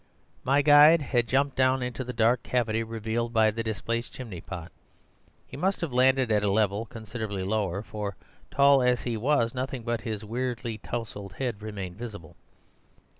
"My guide had jumped down into the dark cavity revealed by the displaced chimney pot. He must have landed at a level considerably lower, for, tall as he was, nothing but his weirdly tousled head remained visible.